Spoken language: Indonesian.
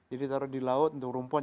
jadi taruh di laut untuk rumpon